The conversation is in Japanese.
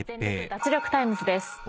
脱力タイムズ』です。